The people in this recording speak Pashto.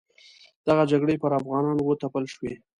دغه جګړې پر افغانانو وتپل شوې.